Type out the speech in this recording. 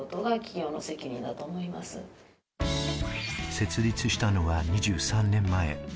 設立したのは２３年前。